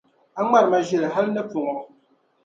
a ŋmari ma ʒiri hal ni pɔŋɔ.